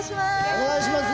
お願いします